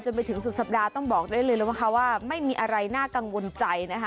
ไปถึงสุดสัปดาห์ต้องบอกได้เลยนะคะว่าไม่มีอะไรน่ากังวลใจนะคะ